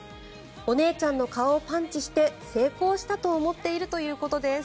お姉ちゃんの顔をパンチして成功したと思っているということです。